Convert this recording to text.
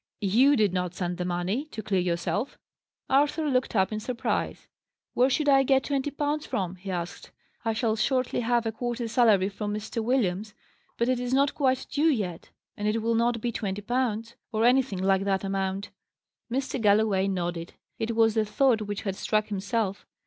"You did not send the money to clear yourself?" Arthur looked up in surprise. "Where should I get twenty pounds from?" he asked. "I shall shortly have a quarter's salary from Mr. Williams: but it is not quite due yet. And it will not be twenty pounds, or anything like that amount." Mr. Galloway nodded. It was the thought which had struck himself.